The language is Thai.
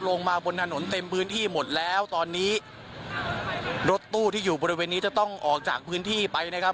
ลงมาบนถนนเต็มพื้นที่หมดแล้วตอนนี้รถตู้ที่อยู่บริเวณนี้จะต้องออกจากพื้นที่ไปนะครับ